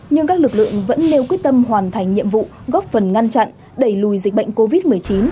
nhưng các lực lượng vẫn nêu quyết tâm hoàn thành nhiệm vụ góp phần ngăn chặn đẩy lùi dịch bệnh covid một mươi chín